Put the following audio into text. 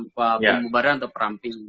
pembubaran atau peramping